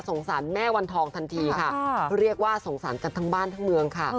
สารแม่วันทองทันทีค่ะเรียกว่าสงสารกันทั้งบ้านทั้งเมืองค่ะ